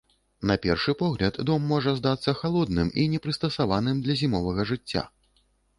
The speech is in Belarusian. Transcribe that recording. На першы погляд дом можа здацца халодным і не прыстасаваным для зімовага жыцця.